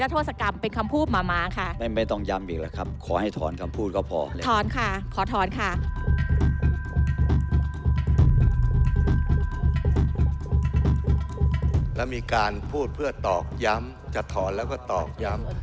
แล้วมีการพูดเพื่อตอกย้ำจะถอนแล้วก็ตอกย้ำ